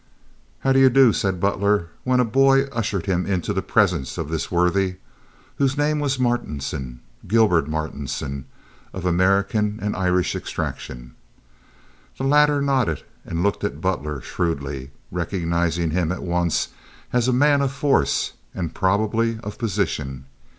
"How do you do?" said Butler, when a boy ushered him into the presence of this worthy, whose name was Martinson—Gilbert Martinson, of American and Irish extraction. The latter nodded and looked at Butler shrewdly, recognizing him at once as a man of force and probably of position.